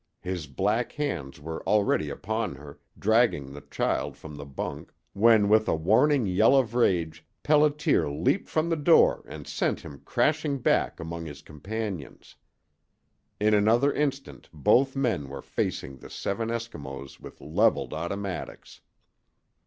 His black hands were already upon her, dragging the child from the bunk, when with a warning yell of rage Pelliter leaped from the door and sent him crashing back among his companions. In another instant both men were facing the seven Eskimos with leveled automatics.